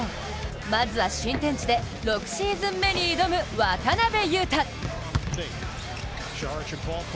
まずは新天地で６シーズン目に挑む渡邊雄太。